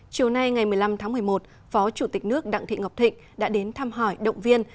chiều nay ngày một mươi năm tháng một mươi một phó chủ tịch nước đặng thị ngọc thịnh đã đến thăm hỏi động viên